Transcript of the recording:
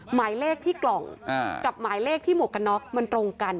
หมายเลขที่กล่องกับหมายเลขที่หมวกกันน็อกมันตรงกัน